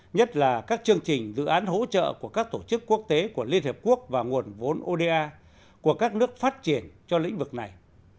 nhất là các chương trình dự án hỗ trợ của các tổ chức quốc tế của liên hiệp quốc và nguồn vốn oda của các nước phát triển cho lĩnh vực này